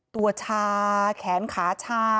ตัวชาแขนขาชา